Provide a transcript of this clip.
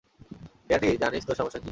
Danny, জানিস তোর সমস্যা কী?